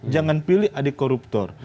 jangan pilih adik koruptor